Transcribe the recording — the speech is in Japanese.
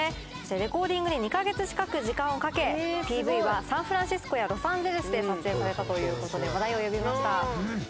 レコーディングに２カ月近く時間をかけＰＶはサンフランシスコやロサンゼルスで撮影されたという事で話題を呼びました。